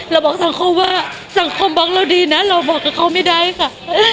เราบอกสังคมว่าสังคมบอกเราดีนะเราบอกกับเขาไม่ได้ค่ะ